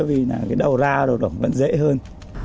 vì cái đầu ra rồi đó vẫn dễ hơn